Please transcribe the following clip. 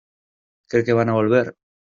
¿ cree que van a volver?